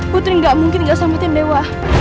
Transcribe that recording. putri gak mungkin gak sambutin dewa